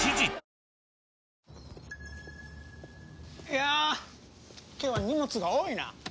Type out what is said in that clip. いや今日は荷物が多いな。